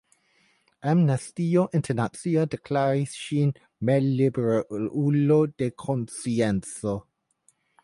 Amnestio Internacia deklaris ŝin malliberulo de konscienco.